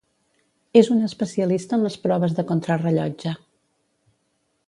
És un especialista en les proves en contrarellotge.